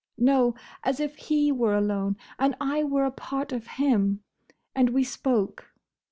No! As if he were alone, and I were a part of him. And we spoke.